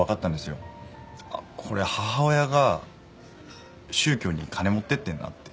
あっこれ母親が宗教に金持ってってんなって。